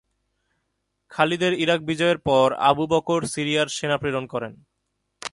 খালিদের ইরাক বিজয়ের পর আবু বকর সিরিয়ায় সেনা প্রেরণ করেন।